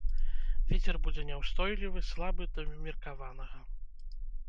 Вецер будзе няўстойлівы слабы да ўмеркаванага.